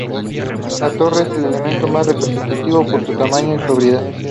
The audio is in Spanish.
La torre es el elemento más representativo por su tamaño y sobriedad.